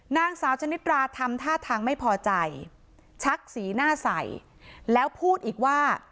นางสาวชนิดราทำท่าทางไม่พอใจชักสีหน้าใส่แล้วพูดอีกว่า